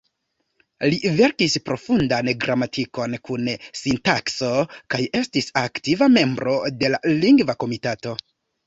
Li verkis profundan gramatikon kun sintakso kaj estis aktiva membro de la Lingva Komitato.